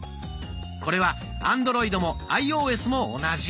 これはアンドロイドもアイオーエスも同じ。